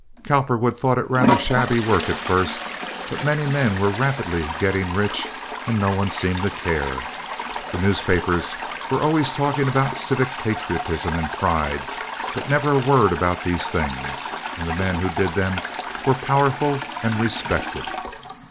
Cowperwood thought it rather shabby work at first, but many men were rapidly getting rich and no one seemed to care. The newspapers were always talking about civic patriotism and pride but never a word about these things. And the men who did them were powerful and respected.